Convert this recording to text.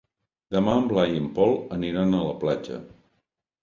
Demà en Blai i en Pol aniran a la platja.